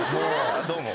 どうも。